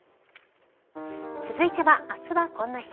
続いてはあすはこんな日。